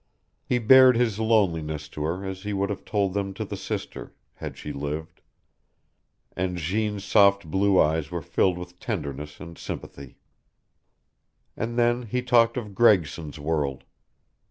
He bared his loneliness to her as he would have told them to the sister, had she lived; and Jeanne's soft blue eyes were filled with tenderness and sympathy. And then he talked of Gregson's world.